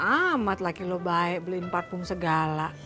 amat laki lo baik beliin parfum segala